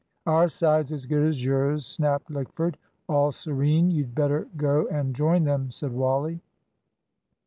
"Our side's as good as yours," snapped Lickford. "All serene; you'd better go and join them," said Wally.